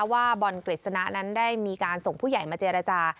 ว่าบอลกฤษณะนั้นได้มีการส่งผู้ใหญ่มาเจรจา